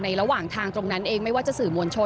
ระหว่างทางตรงนั้นเองไม่ว่าจะสื่อมวลชน